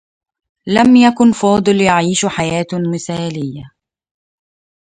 لم يكن فاضل يعيش حياة مثاليّة.